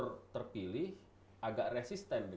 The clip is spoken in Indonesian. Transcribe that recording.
gubernur terpilih agak resisten